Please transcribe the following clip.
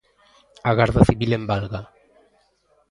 A Garda Civil en Valga.